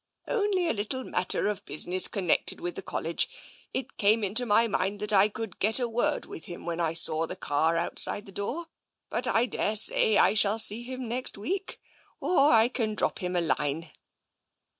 Only on a little matter of business connected with the College. It came into my mind that I could get a word with him when I saw the car outside the door. But I daresay I shall see him next week — or I can drop him a line."